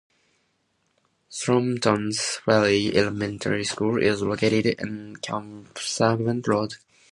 Thorntons Ferry Elementary School is located on Camp Sargent Road.